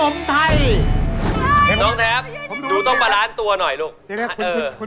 น้องแทบหนูต้องประลานตัวหน่อยลูก